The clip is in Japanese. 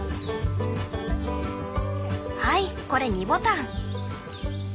「はいこれ２ボタン」。